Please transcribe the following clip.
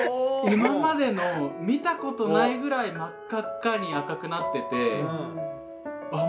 今までの見たことないぐらい真っ赤っかに赤くなっててあ